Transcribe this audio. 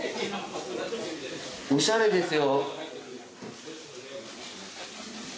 おしゃれですよ。